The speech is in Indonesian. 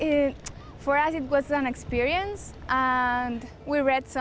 kami telah membaca beberapa blog dan beberapa orang mengatakan ini pengalaman yang bagus